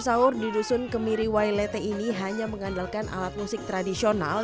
sahur di dusun kemiri wailete ini hanya mengandalkan alat musik tradisional